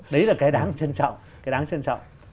đấy là cái đáng trân trọng